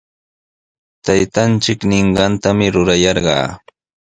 Taytanchik ninqantami rurayarqaa.